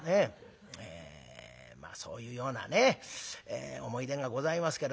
まあそういうようなね思い出がございますけれども。